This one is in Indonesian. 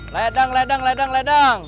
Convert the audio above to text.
ledang ledang ledang ledang